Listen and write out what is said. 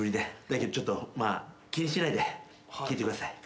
だけどちょっとまあ気にしないで聞いてください。